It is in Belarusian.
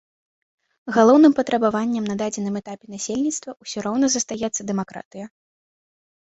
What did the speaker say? Галоўным патрабаваннем на дадзеным этапе насельніцтва ўсё роўна застаецца дэмакратыя.